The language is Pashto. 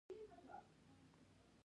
د خوړو په توکو کې ایوډین او اوسپنه ګډیږي؟